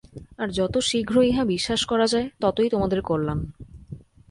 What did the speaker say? আর যত শীঘ্র ইহা বিশ্বাস করা যায়, ততই তোমাদের কল্যাণ।